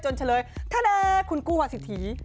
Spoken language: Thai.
จนเฉลยคุณกู้หวัดสิทธิ